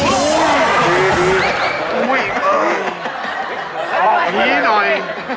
ดูนี้หน่อย